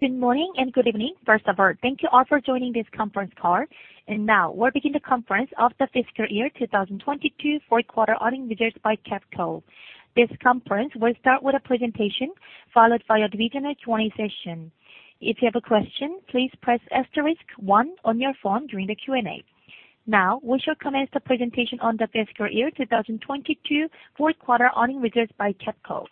Good morning, and good evening. First of all, thank you all for joining this conference call. Now we'll begin the conference of the Fiscal Year 2022 Fourth Quarter Earnings Results by KEPCO. This conference will start with a presentation, followed by a regional Q&A session. If you have a question, please press asterisk one on your phone during the Q&A. Now we shall commence the presentation on the Fiscal Year 2022 Fourth Quarter Earnings Results by KEPCO.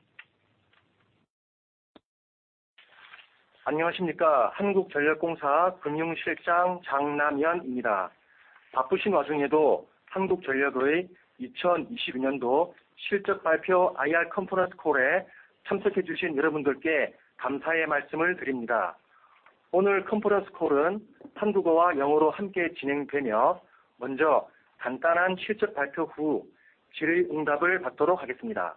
안녕하십니까? 한국전력공사 금융실장 Namyeon Jang입니다. 바쁘신 와중에도 한국전력의 2022년도 실적 발표 IR 컨퍼런스 콜에 참석해 주신 여러분들께 감사의 말씀을 드립니다. 오늘 컨퍼런스 콜은 한국어와 영어로 함께 진행되며, 먼저 간단한 실적 발표 후 질의응답을 받도록 하겠습니다.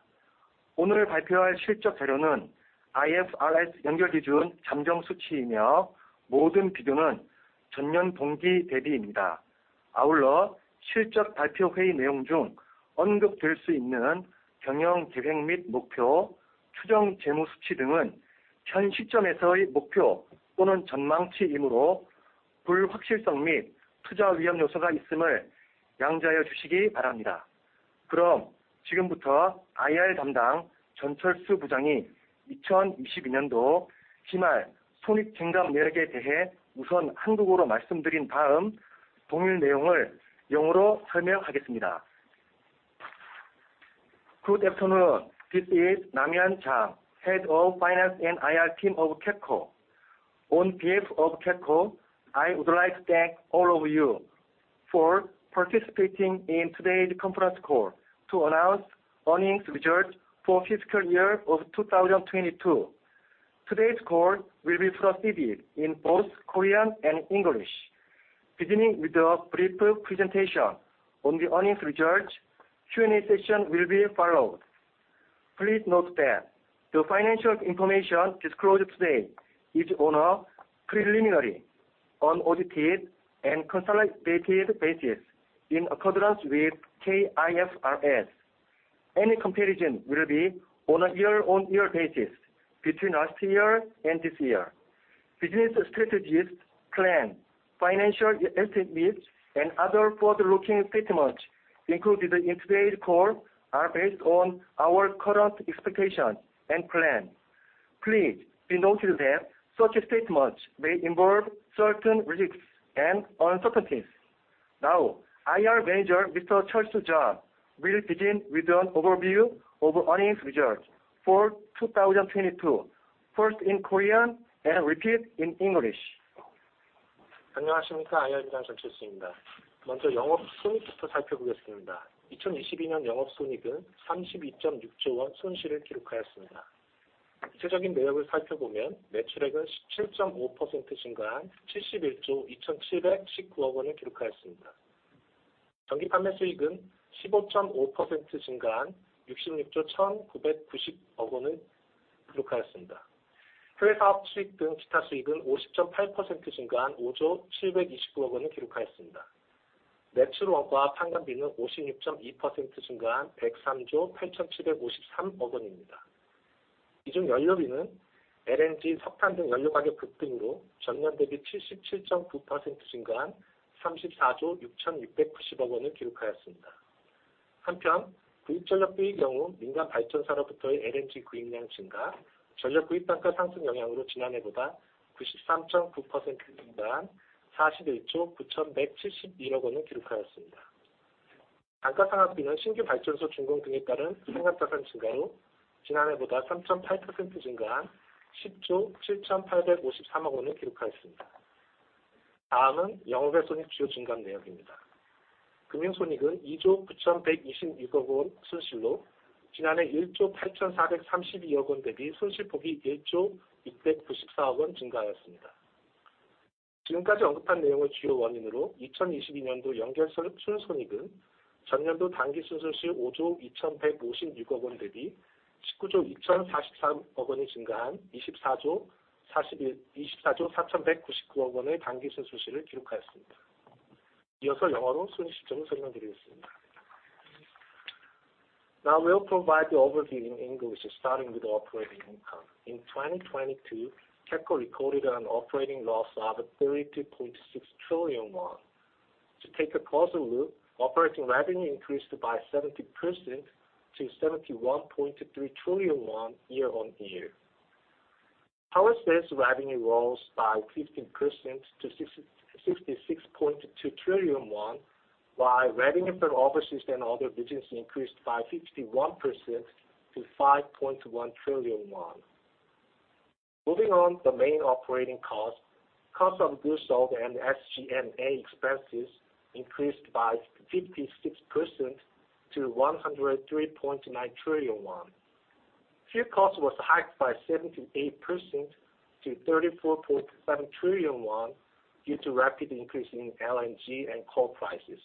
오늘 발표할 실적 자료는 IFRS 연결 기준 잠정 수치이며, 모든 비교는 전년 동기 대비입니다. 아울러 실적 발표 회의 내용 중 언급될 수 있는 경영 계획 및 목표, 추정 재무수치 등은 현시점에서의 목표 또는 전망치이므로 불확실성 및 투자 위험 요소가 있음을 양지하여 주시기 바랍니다. 지금부터 IR 담당 Chulsu Jeon 부장이 2022년도 기말 손익 증가 내역에 대해 우선 한국어로 말씀드린 다음 동일 내용을 영어로 설명하겠습니다. Good afternoon. This is Namyeon Jang, Head of Finance and IR Team of KEPCO. On behalf of KEPCO, I would like to thank all of you for participating in today's conference call to announce earnings results for fiscal year of 2022. Today's call will be proceeded in both Korean and English, beginning with a brief presentation on the earnings results. Q&A session will be followed. Please note that the financial information disclosed today is on a preliminary, unaudited, and consolidated basis in accordance with KIFRS. Any comparison will be on a year-on-year basis between last year and this year. Business strategies, plans, financial estimates, and other forward-looking statements included in today's call are based on our current expectations and plans. Please be noted that such statements may involve certain risks and uncertainties. Now, IR Manager Mr. Chulsu Jeon will begin with an overview of earnings results for 2022, first in Korean, and repeat in English. 안녕하십니까? IR 부장 전철수입니다. 먼저 영업손익부터 살펴보겠습니다. 2022년 영업손익은 32.6 trillion 손실을 기록하였습니다. 세부적인 내역을 살펴보면, 매출액은 17.5% 증가한 71.2719 trillion을 기록하였습니다. 전기 판매 수익은 15.5% 증가한 66.199 trillion을 기록하였습니다. 해외 사업 수익 등 기타 수익은 50.8% 증가한 5.0729 trillion을 기록하였습니다. 매출원가와 판관비는 56.2% 증가한 KRW 103.8753 trillion입니다. 이중 연료비는 LNG, 석탄 등 연료 가격 급등으로 전년 대비 77.9% 증가한 KRW 34.669 trillion을 기록하였습니다. 한편 구입전력비의 경우 민간발전사로부터의 LNG 구입량 증가, 전력 구입 단가 상승 영향으로 지난해보다 93.9% 증가한 KRW 41.9171 trillion을 기록하였습니다. 단가상각비는 신규 발전소 준공 등에 따른 생상자산 증가로 지난해보다 3.8% 증가한 10.7853 trillion을 기록하였습니다. 다음은 영업외 손익 주요 증감 내역입니다. 금융손익은 KRW 2.9126 trillion 손실로 지난해 1.8432 trillion 대비 손실폭이 1.0694 trillion 증가하였습니다. 지금까지 언급한 내용을 주요 원인으로 2022 년도 연결 순손익은 전년도 당기순손실 KRW 5.2156 trillion 대비 KRW 19.0243 trillion이 증가한 KRW 24.4199 trillion의 당기순손실을 기록하였습니다. 이어서 영어로 순서대로 설명드리겠습니다. Now we will provide the overview in English, starting with operating income. In 2022, KEPCO recorded an operating loss of 32.6 trillion won. To take a closer look, operating revenue increased by 70% to KRW 71.3 trillion year-on-year. Power sales revenue rose by 15% to 66.2 trillion won, while revenue from other system and other business increased by 51% to 5.1 trillion won. Moving on the main operating cost of goods sold and SG&A expenses increased by 56% to 103.9 trillion won. Fuel cost was hiked by 78% to 34.7 trillion won due to rapid increase in LNG and coal prices.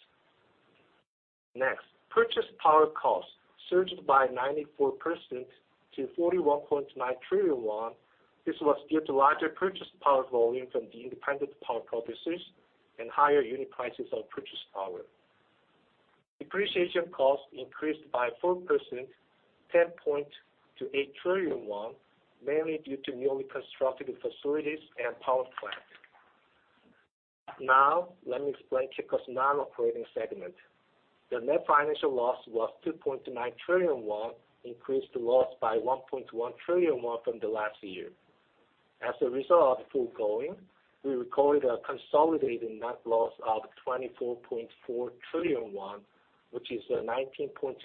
Next, purchased power cost surged by 94% to 41.9 trillion won. This was due to larger purchased power volume from the Independent Power Producers and higher unit prices of purchased power. Depreciation cost increased by 4%, 10.8 trillion won, mainly due to newly constructed facilities and power plants. Let me explain KEPCO's non-operating segment. The net financial loss was 2.9 trillion won, increased loss by 1.1 trillion won from the last year. As a result of the foregoing, we recorded a consolidated net loss of 24.4 trillion won, which is a 19.2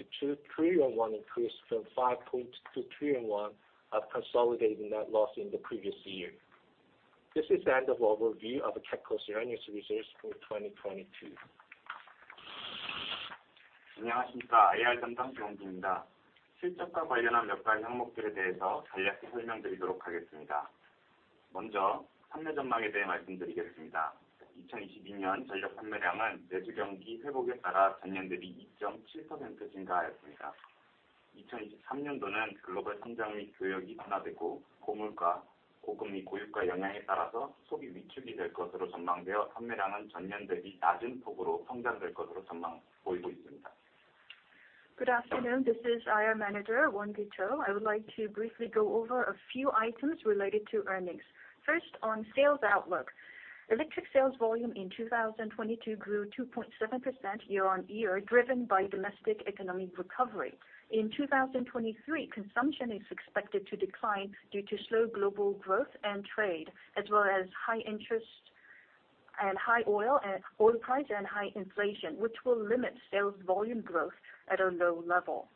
trillion won increase from 5.2 trillion won of consolidating net loss in the previous year. This is the end of overview of KEPCO's earnings results for 2022. Good afternoon. This is IR Manager, Won-gu Cho. I would like to briefly go over a few items related to earnings. First, on sales outlook. Electric sales volume in 2022 grew 2.7% year-on-year, driven by domestic economic recovery. In 2023, consumption is expected to decline due to slow global growth and trade, as well as high interest and high oil price and high inflation, which will limit sales volume growth at a low level.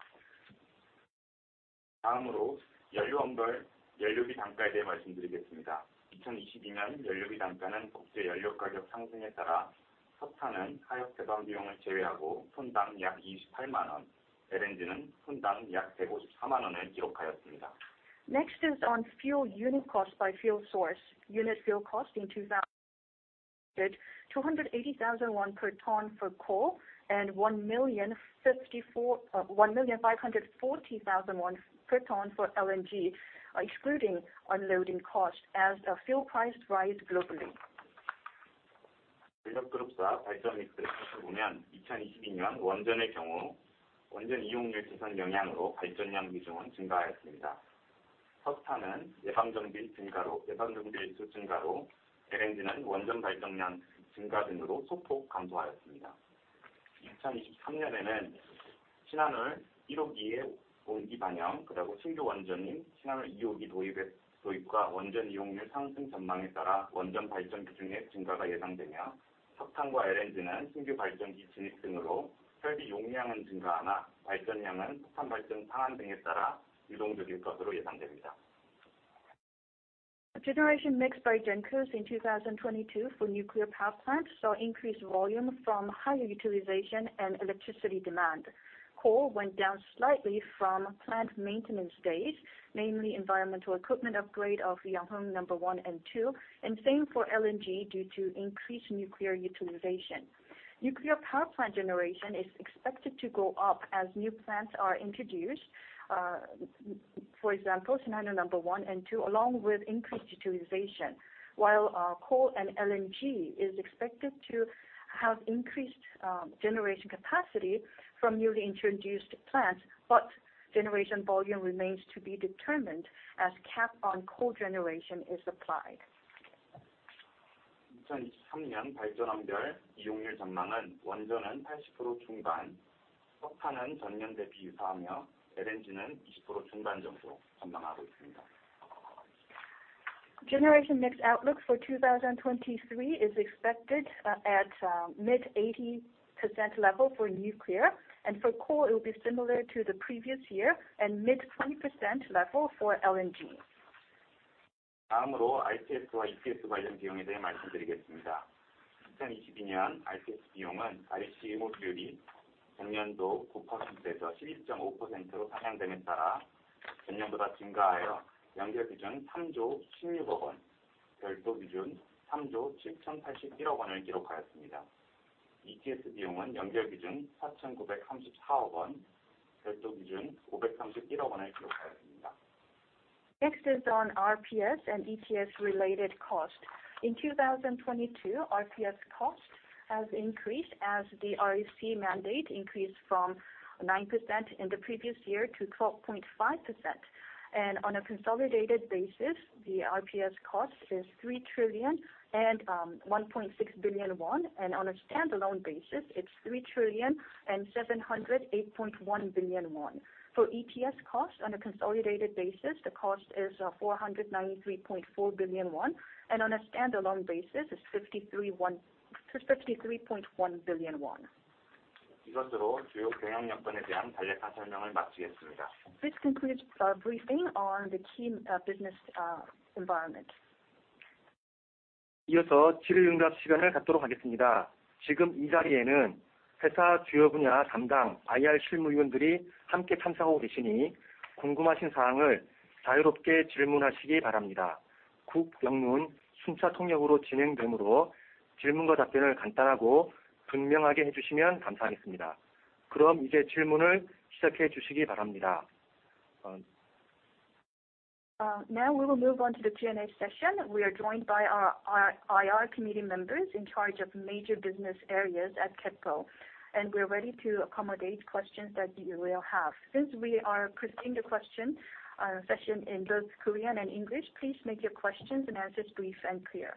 Next is on fuel unit cost by fuel source. Unit fuel cost in 2022 280,000 won per ton for coal and 1,540,000 won per ton for LNG, excluding unloading cost as the fuel price rise globally. Generation mix by GENCOs in 2022 for nuclear power plants saw increased volume from higher utilization and electricity demand. Coal went down slightly from plant maintenance days, mainly environmental equipment upgrade of the Yeongheung number one and two, and same for LNG due to increased nuclear utilization. Nuclear power plant generation is expected to go up as new plants are introduced, for example, Shin Hanul Number one and two, along with increased utilization. Coal and LNG is expected to have increased generation capacity from newly introduced plants, but generation volume remains to be determined as cap on coal generation is applied. Generation mix outlook for 2023 is expected at mid-80% level for nuclear. For coal, it will be similar to the previous year and mid-20% level for LNG. Next is on RPS and ETS related cost. In 2022, RPS cost has increased as the REC mandate increased from 9% in the previous year to 12.5%. On a consolidated basis, the RPS cost is 3,001.6 billion won. On a standalone basis, it's 3,708.1 billion won. For ETS cost on a consolidated basis, the cost is 493.4 billion won, and on a standalone basis is 53.1 billion won. This concludes our briefing on the key business environment. Now we will move on to the Q&A session. We are joined by our IR committee members in charge of major business areas at KEPCO, and we're ready to accommodate questions that you will have. Since we are proceeding the question session in both Korean and English, please make your questions and answers brief and clear.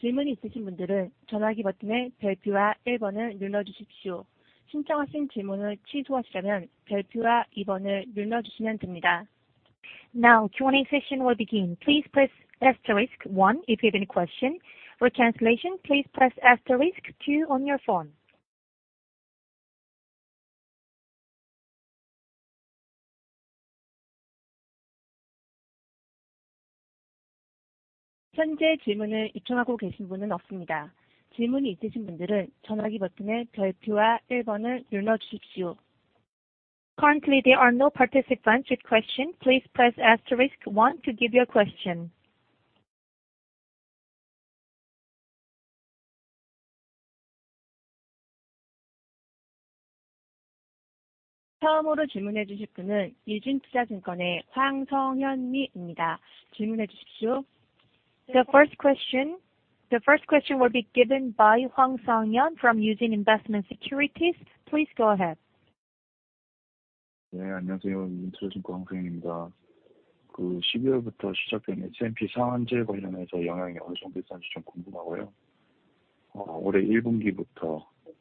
Q&A session will begin. Please press asterisk one if you have any question. For translation, please press asterisk two on your phone. Currently, there are no participants with question. Please press asterisk one to give your question. The first question will be given by Hwang Sung-Yeon from Yujin Investment Securities. Please go ahead.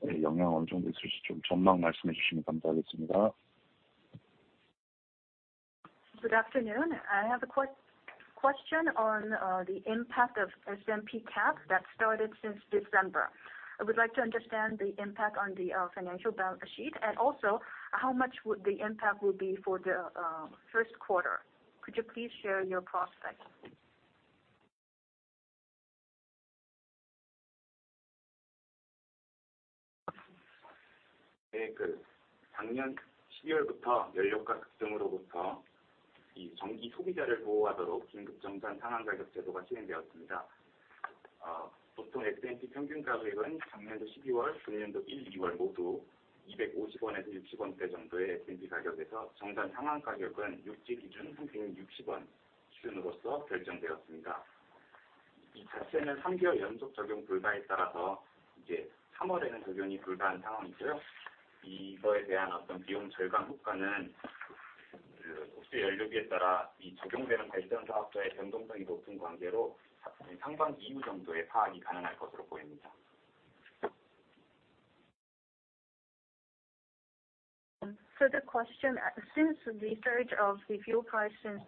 Good afternoon. I have a question on the impact of SMP cap that started since December. I would like to understand the impact on the financial balance sheet, and also how much would the impact will be for the first quarter. Could you please share your prospects? The question, since the surge of the fuel price since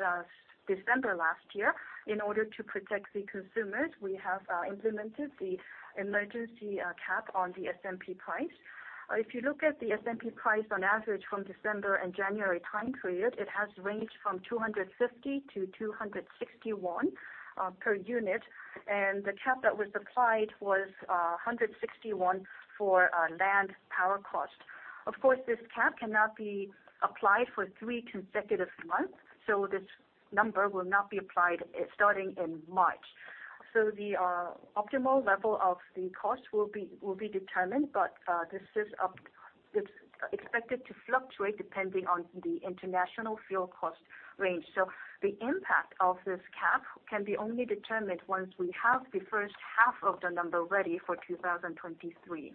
December last year, in order to protect the consumers, we have implemented the emergency cap on the SMP price. If you look at the SMP price on average from December and January time period, it has ranged from 250-260 per unit. The cap that was applied was 160 for land power cost. Of course, this cap cannot be applied for three consecutive months. This number will not be applied, starting in March. The optimal level of the cost will be determined, but It's expected to fluctuate depending on the international fuel cost range. The impact of this cap can be only determined once we have the first half of the number ready for 2023.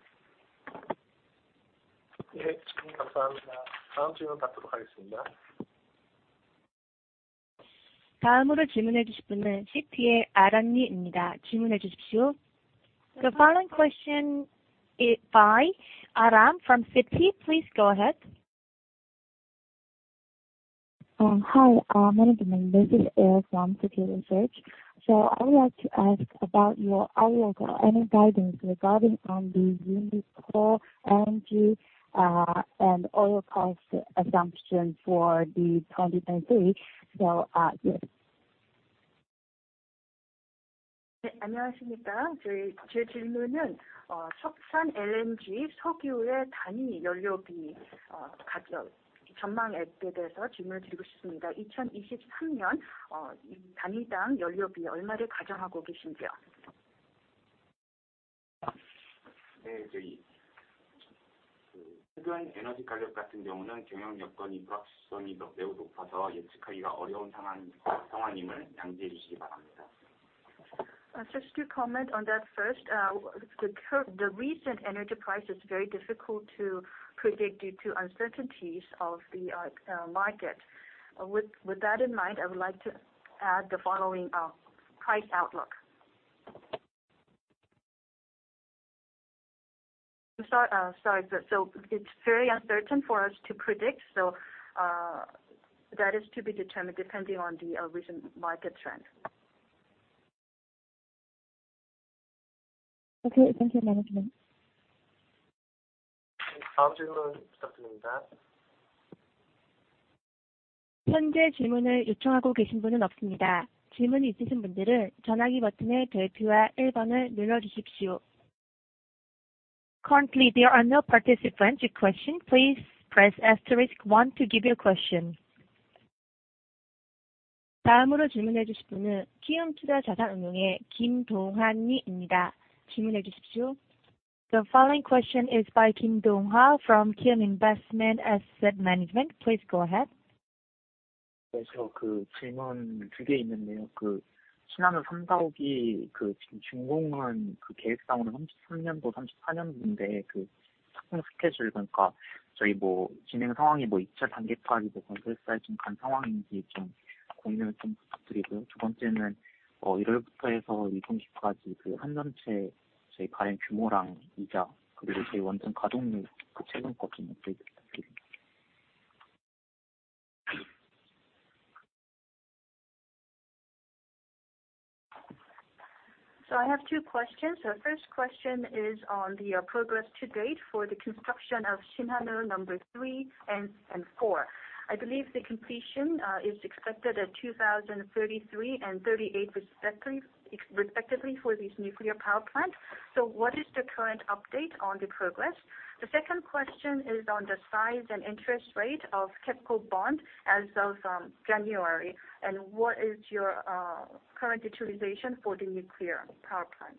The following question is by Aram from Citi. Please go ahead. Hi, management. This is Aram from Citi Research. I would like to ask about your outlook or any guidance regarding on the unit core LNG, and oil cost assumption for 2023. Yes. Just to comment on that first, the recent energy price is very difficult to predict due to uncertainties of the market. With that in mind, I would like to add the following price outlook. Sorry. It's very uncertain for us to predict. That is to be determined depending on the recent market trend. Okay. Thank you, management. Currently, there are no participants with question. Please press asterisk one to give your question. 다음으로 질문해 주실 분은 키움투자자산운용의 김동환이입니다. 질문해 주십시오. The following question is by Kim Dong-hwan from Kiwoom Investment Asset Management. Please go ahead. 네, 저그 질문 2개 있는데요. 그 Shinhan Bank No. 3 and No. 4 building이 그 지금 준공은 그 계획상으로 2033년도, 2034년도인데 그 스케줄, 그러니까 저희 뭐 진행 상황이 뭐 이체 단계판이고 건설 사이 좀간 상황인지 좀 공유를 좀 부탁드리고요. 두 번째는 일일부터 해서 이점까지 그 한전 전체 저희 발행 규모랑 이자, 그리고 저희 원전 가동률, 그 최근 것좀 업데이트 부탁드립니다. I have two questions. The first question is on the progress to date for the construction of Shinhan No. 3 and 4. I believe the completion is expected at 2033 and 2038 respectively for these nuclear power plants. What is the current update on the progress? The second question is on the size and interest rate of KEPCO bond as of January. What is your current utilization for the nuclear power plant?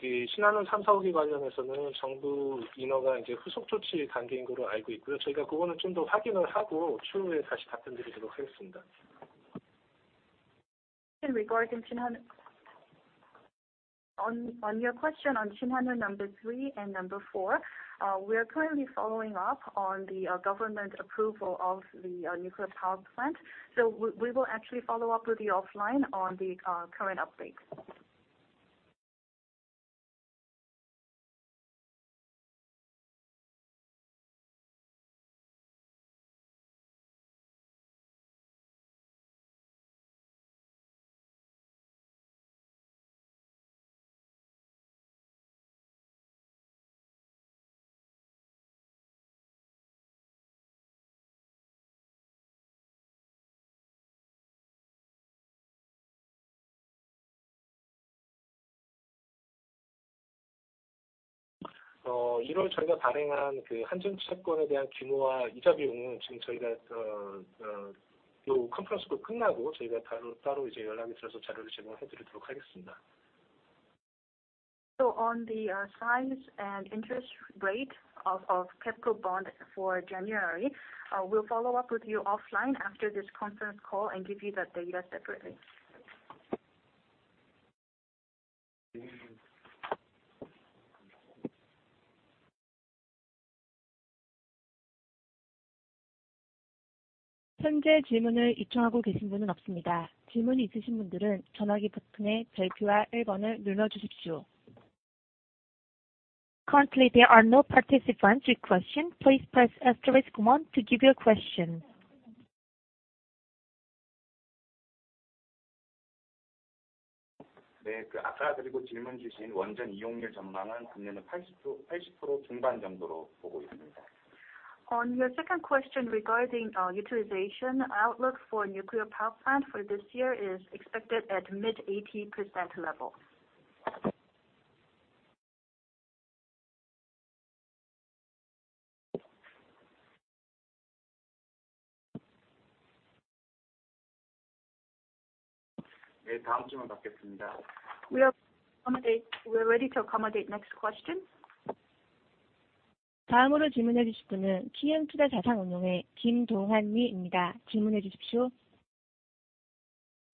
Thank you. 저기 Shinhan Bank building No. 3에 관련해서는 정부 인허가 이제 후속 조치 단계인 걸로 알고 있고요. 저희가 그거는 좀더 확인을 하고 추후에 다시 답변드리도록 하겠습니다. Regarding Shinhan. On your question on Shinhan No. 3 and No. 4, we are currently following up on the government approval of the nuclear power plant. We will actually follow up with you offline on the current updates. 어, 일월 저희가 발행한 그 한전 채권에 대한 규모와 이자 비용은 지금 저희가 어, 어, 요 컨퍼런스 콜 끝나고 저희가 따로, 따로 이제 연락을 드려서 자료를 제공해 드리도록 하겠습니다. On the size and interest rate of KEPCO bond for January, we'll follow up with you offline after this conference call and give you the data separately. 현재 질문을 요청하고 계신 분은 없습니다. 질문이 있으신 분들은 전화기 버튼의 별표와 일번을 눌러주십시오. Currently there are no participants with question. Please press asterisk one to give your question. 그 아까 드리고 질문 주신 원전 이용률 전망은 내년에는 80% 중반 정도로 보고 있습니다. On your second question regarding, utilization outlook for nuclear power plant for this year is expected at mid 80% level. 네, 다음 질문 받겠습니다. We are accommodate. We are ready to accommodate next question. 다음으로 질문해 주실 분은 키움투자자산운용의 김동환이입니다. 질문해 주십시오.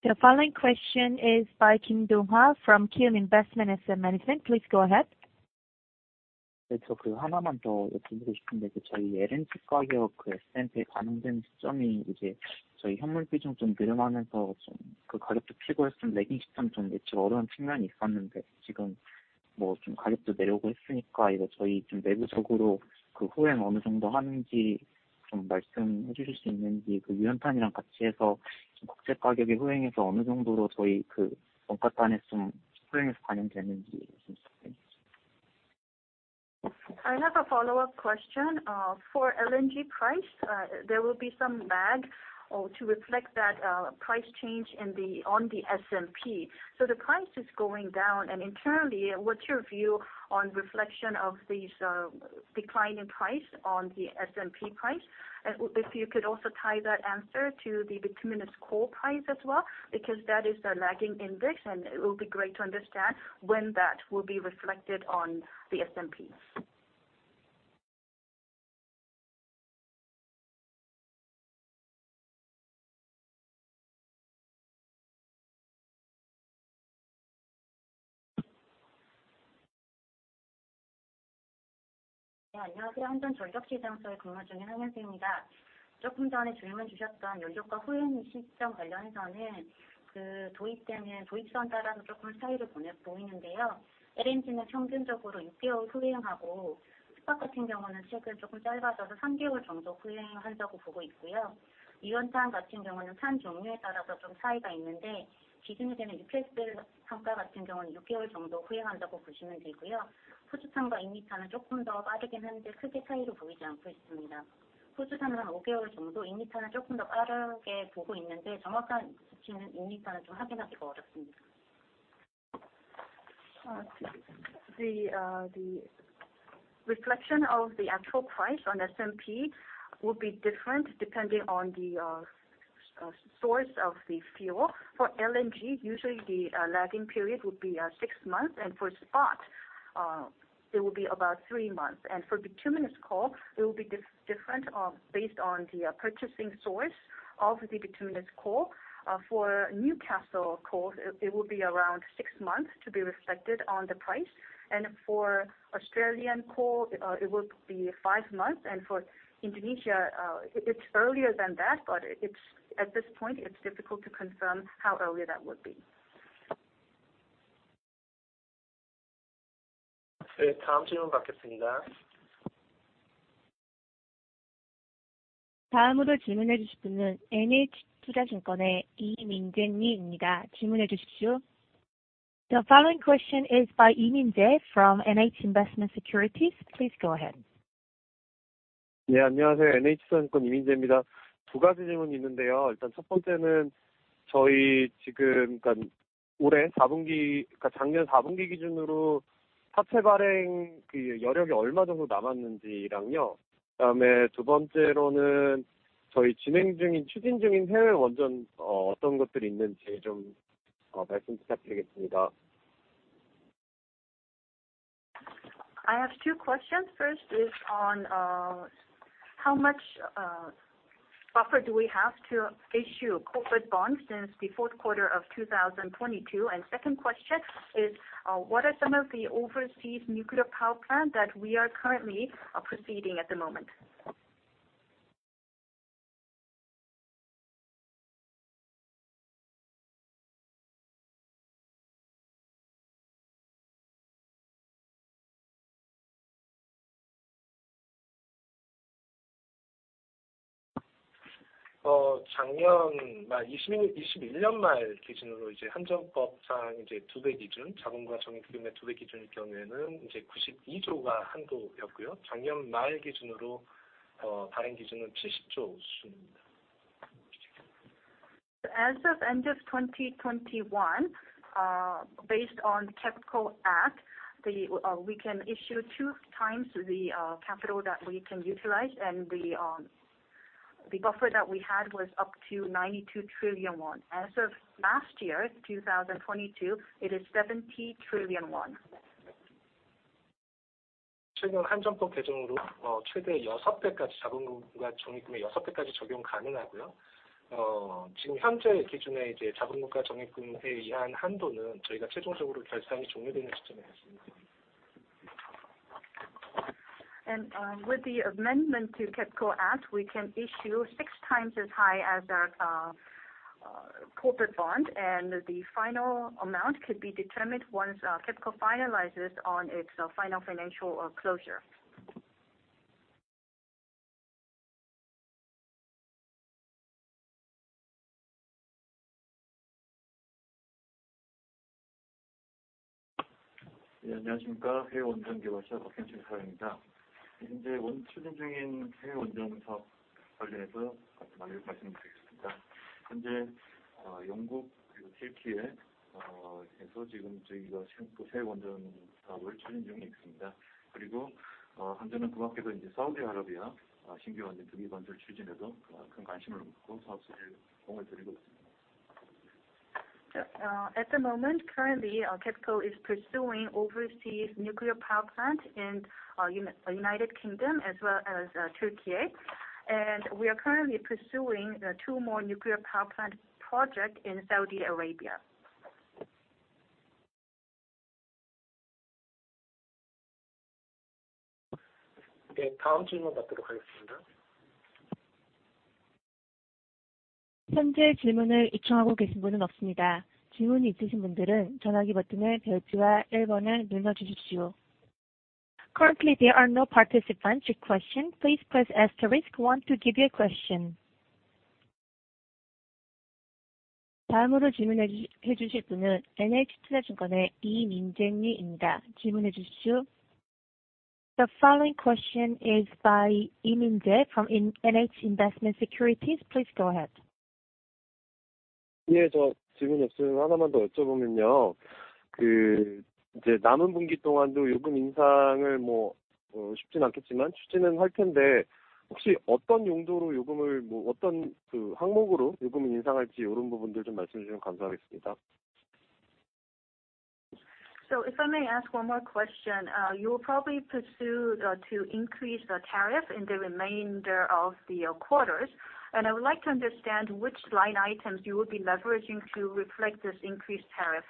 The following question is by Kim Dongha from Kiwoom Investment Asset Management. Please go ahead. 네, 저 하나만 더 여쭈보고 싶은데 저희 LNG 가격 SMP에 반영되는 시점이 이제 저희 현물 비중 좀 늘어나면서 좀 가격도 피고 했으면 내림시점 좀 예측 어려운 측면이 있었는데 지금 뭐좀 가격도 내리고 했으니까 이거 저희 좀 내부적으로 후행 어느 정도 하는지 좀 말씀해 주실 수 있는지 유연탄이랑 같이 해서 좀 국제 가격이 후행해서 어느 정도로 저희 원가단에 좀 후행해서 반영되는지 여쭤보겠습니다? I have a follow-up question for LNG price. There will be some lag to reflect that price change in the, on the SMP. The price is going down. Internally, what's your view on reflection of these decline in price on the SMP price? If you could also tie that answer to the bituminous coal price as well, because that is the lagging index, and it will be great to understand when that will be reflected on the SMP. 네, 안녕하세요. 한전전력시장처에 근무 중인 황연수입니다. 조금 전에 질문 주셨던 연료값 후행 시점 관련해서는 그 도입되는 도입선에 따라서 조금 차이를 보이고 있는데요. LNG는 평균적으로 육 개월 후행하고 스팟 같은 경우는 최근 조금 짧아져서 삼 개월 정도 후행한다고 보고 있고요. 유연탄 같은 경우는 탄 종류에 따라서 좀 차이가 있는데 기준이 되는 UBS 선가 같은 경우는 육 개월 정도 후행한다고 보시면 되고요. 호주탄과 인니탄은 조금 더 빠르긴 한데 크게 차이를 보이지 않고 있습니다. 호주탄은 한오 개월 정도, 인니탄은 조금 더 빠르게 보고 있는데 정확한 수치는 인니탄은 좀 확인하기가 어렵습니다. The reflection of the actual price on SMP will be different depending on the source of the fuel. For LNG, usually the lagging period would be six months, and for spot, it will be about three months. For bituminous coal, it will be different on, based on the purchasing source of the bituminous coal. For Newcastle coal, it will be around six months to be reflected on the price. For Australian coal, it will be 5 months. For Indonesia, it's earlier than that. At this point, it's difficult to confirm how early that would be. The following question is by Minjae Lee from NH Investment Securities. Please go ahead. I have two questions. First is on how much buffer do we have to issue corporate bonds since the fourth quarter of 2022. Second question is, what are some of the overseas nuclear power plant that we are currently proceeding at the moment? As of end of 2021, based on KEPCO Act, we can issue 2x the capital that we can utilize, and the buffer that we had was up to 92 trillion won. As of last year, 2022, it is KRW 70 trillion. With the amendment to KEPCO Act, we can issue 6x as high as our corporate bond, and the final amount could be determined once KEPCO finalizes on its final financial closure. At the moment, currently, KEPCO is pursuing overseas nuclear power plant in the United Kingdom as well as Turkey. We are currently pursuing two more nuclear power plant project in Saudi Arabia. Currently, there are no participants with question. Please press asterisk one to give you a question. The following question is by Minjae Lee from NH Investment Securities. Please go ahead. If I may ask one more question, you will probably pursue to increase the tariff in the remainder of the quarters, and I would like to understand which line items you will be leveraging to reflect this increased tariff.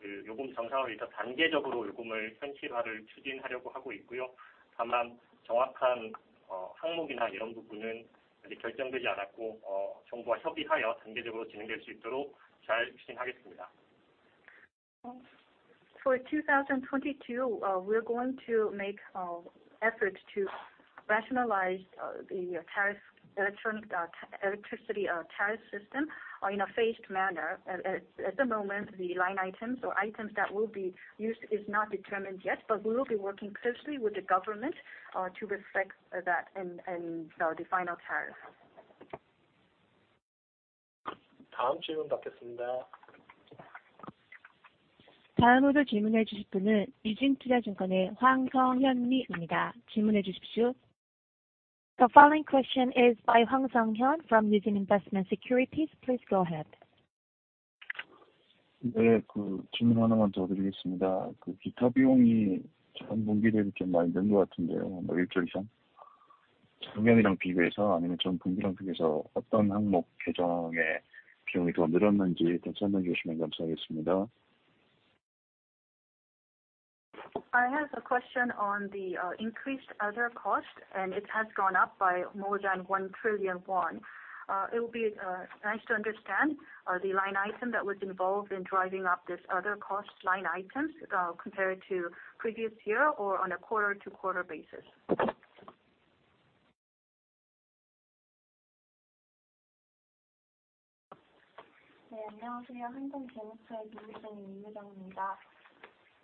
For 2022, we're going to make efforts to rationalize the tariff electricity tariff system in a phased manner. At the moment, the line items or items that will be used is not determined yet, but we will be working closely with the government, to reflect that in the final tariff. The following question is by Hwang Sung Hyun from Yuanta Investment Securities. Please go ahead. I have a question on the increased other cost, and it has gone up by more than 1 trillion won. It would be nice to understand the line item that was involved in driving up this other cost line items, compared to previous year or on a quarter-over-quarter basis.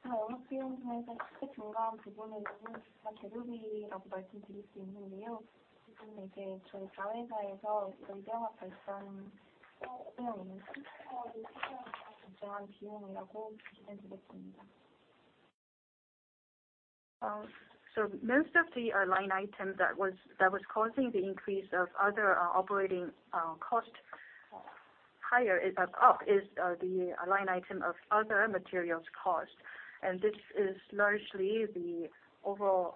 Most of the line item that was causing the increase of other operating cost higher up is the line item of other materials cost. This is largely the overall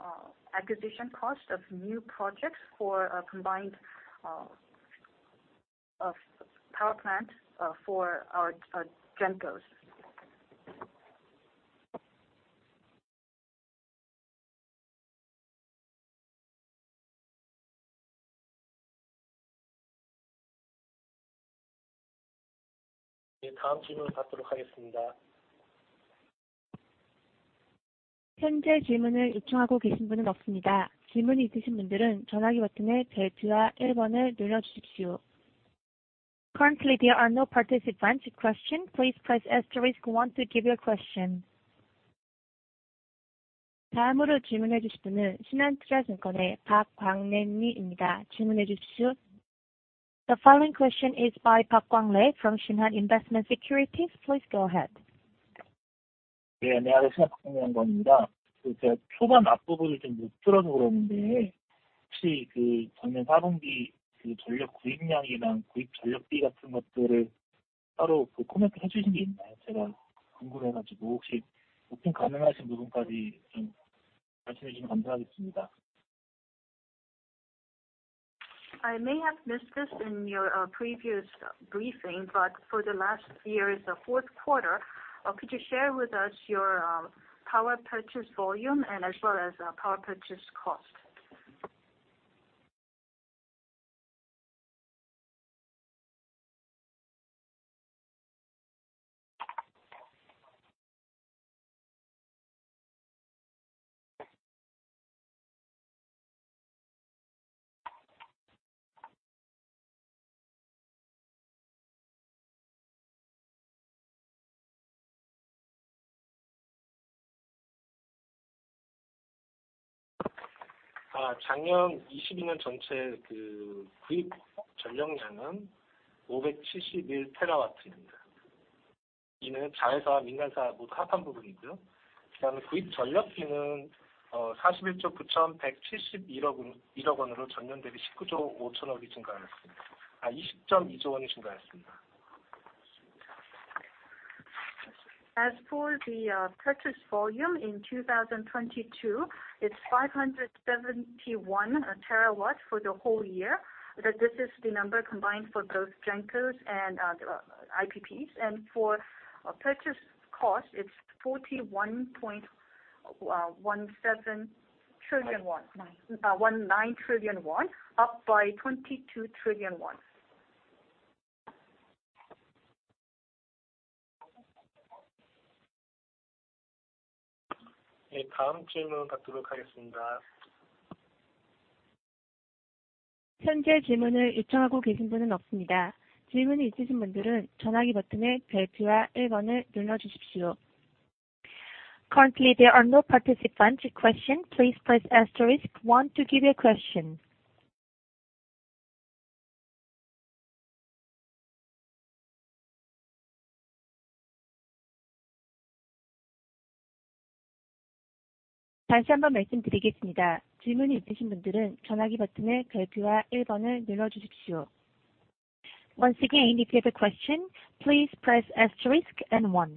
acquisition cost of new projects for a combined of power plant for our GENCOs. Currently, there are no participants with question. Please press asterisk one to give your question. The following question is by Park Gwang Rae from Shinhan Investment Securities. Please go ahead. I may have missed this in your previous briefing, for the last year's fourth quarter, could you share with us your power purchase volume and as well as power purchase cost? As for the purchase volume in 2022, it's 571 terawatts for the whole year. This is the number combined for both GENCOs and the IPPs. For purchase cost, it's 41.17 trillion won. 41.19 trillion won, up by 22 trillion won. Currently, there are no participants with question. Please press asterisk one to give your question. Once again, if you have a question, please press asterisk then one.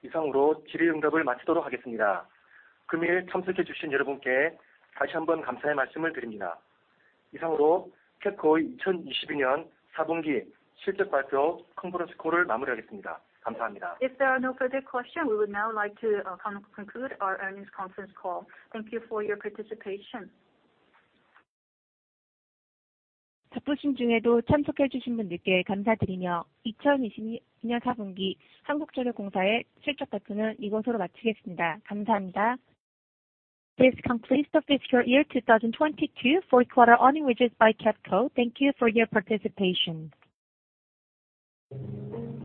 If there are no further question, we would now like to conclude our earnings conference call. Thank you for your participation. This completes the Fiscal Year 2022 Fourth Quarter Earnings Register by KEPCO. Thank you for your participation.